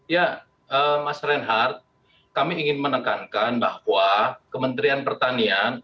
ya mas reinhardt kami ingin menekankan bahwa kementerian pertanian